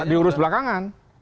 tidak diurus belakangan